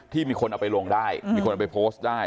มีคนเอาไปลงได้มีคนเอาไปโพสต์ได้